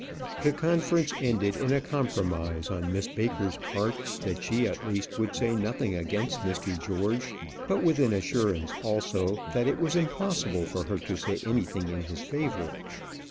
The conference ended in a promise on Miss Baker's part that she, at least, would say nothing against Mr. George; but with an assurance, also, that it was impossible for her to say anything in his favour.